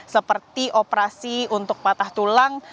seperti operasi untuk patah tulang